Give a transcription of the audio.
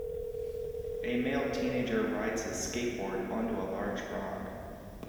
A male teenager rides his skateboard onto a large rock.